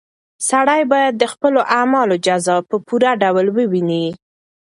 سړی باید د خپلو اعمالو جزا په پوره ډول وویني.